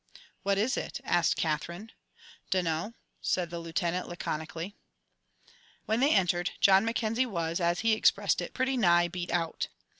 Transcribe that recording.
"What is it?" asked Katherine. "Dunno," said the Lieutenant, laconically. When they entered, John Mackenzie was, as he expressed it, "pretty nigh beat out."